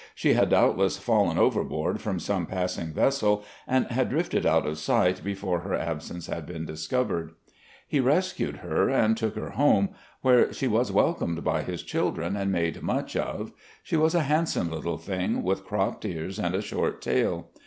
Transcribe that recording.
She had doubtless fallen overboard from some passing vessel and had drifted out of sight before her absence had been discovered. He rescued her and took her home, where she was welcomed by his children and made much of. She was a handsome little thing, with cropped ears and a short tail.